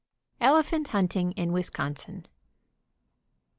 ELEPHANT HUNTING IN WISCONSIN.